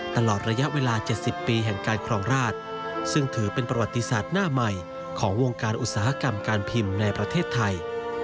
ตลอดระยะเวลา๗๐ปีแห่งการครองราชซึ่งถือเป็นประวัติศาสตร์หน้าใหม่ของวงการอุตสาหกรรมการพิมพ์ในประเทศไทย